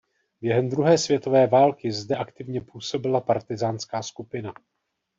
Během druhé světové války zde aktivně působila partyzánská skupina.